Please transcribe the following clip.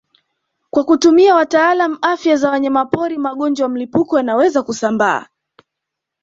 Kwa kutumia watalaamu afya za wanyamapori magonjwa ya mlipuko yanayoweza kusambaa